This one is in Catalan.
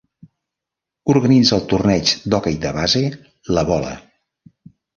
Organitza el torneig d’hoquei de base La Bola.